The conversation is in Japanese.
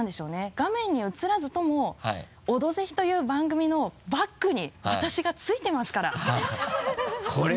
画面に映らずとも「オドぜひ」という番組のバックに私がついてますから。